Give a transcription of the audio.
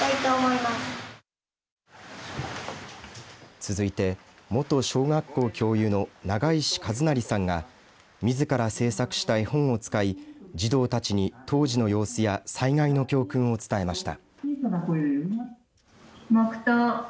続いて元小学校教諭の永石一成さんがみずから制作した絵本を使い児童たちに当時の様子や災害の教訓を伝えました。